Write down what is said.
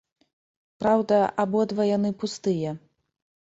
Праўда, абодва яны пустыя.